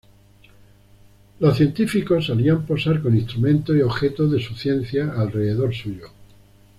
Los científicos solían posar con instrumentos y objetos de su ciencia alrededor suyo.